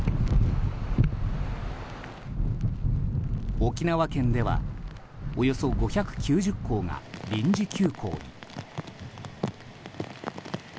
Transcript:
沖縄県ではおよそ５９０校が臨時休校に。